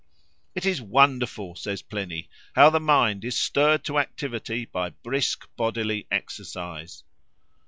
—"It is wonderful," says Pliny, "how the mind is stirred to activity by brisk bodily exercise."